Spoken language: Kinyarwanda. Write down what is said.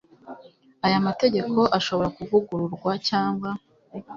Aya mategeko ashobora kuvugururwa cyangwa